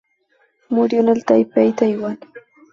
Murió en Taipei, Taiwán.